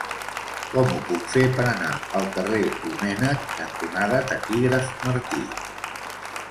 Com ho puc fer per anar al carrer Domènech cantonada Taquígraf Martí?